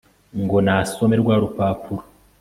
ngo nasome rwarupapuro